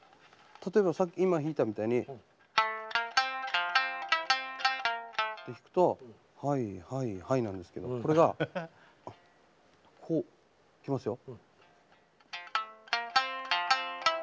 例えばさっき今弾いたみたいに。って弾くとはいはいはいなんですけどこれがこういきますよ。